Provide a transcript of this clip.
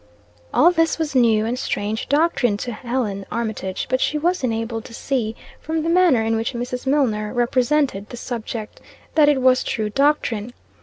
All this was new and strange doctrine to Helen Armitage, but she was enabled to see, from the manner in which Mrs. Milnor represented the subject, that it was true doctrine.